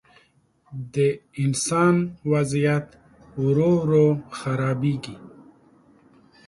د انسان وضعیت ورو، ورو خرابېږي.